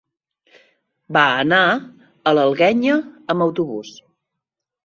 Va anar a l'Alguenya amb autobús.